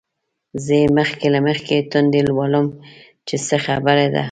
زه یې مخکې له مخکې تندی لولم چې څه خبره ده.